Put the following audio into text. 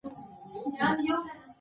تاریخ سوري د محمد بن علي البستي اثر دﺉ.